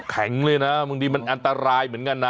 แข็งเลยนะบางทีมันอันตรายเหมือนกันนะ